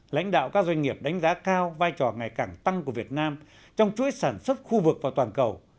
lãnh đạo các doanh nghiệp đánh giá cao vai trò ngày càng tăng của việt nam trong chuỗi sản xuất khu vực và toàn cầu